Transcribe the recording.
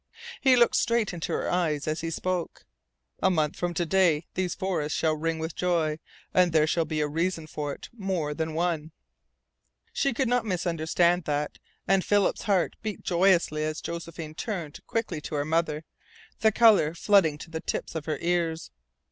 He looked straight into her eyes as he spoke. "A month from to day these forests shall ring with our joy. And there will be a reason for it MORE THAN ONE!" She could not misunderstand that! And Philip's heart beat joyously as Josephine turned quickly to her mother, the colour flooding to the tips of her ears.